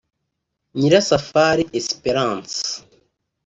Nyirasafari Esperance